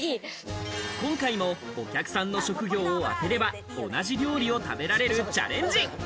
今回もお客さんの職業を当てれば同じ料理を食べられるチャレンジ。